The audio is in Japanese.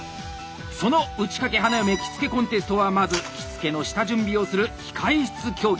その「打掛花嫁着付コンテスト」はまず着付の下準備をする「控え室競技」。